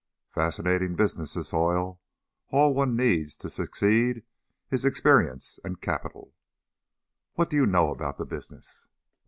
Fascinating business, this oil. All one needs, to succeed, is experience and capital." "What do you know about the business?"